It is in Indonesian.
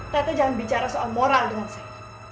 tapi jangan bicara soal moral dengan saya